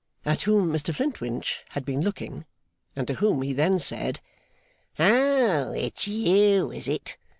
At whom Mr Flintwinch had been looking, and to whom he then said: 'Oh! it's you, is it?